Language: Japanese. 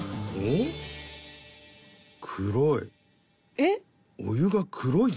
「えっ！？」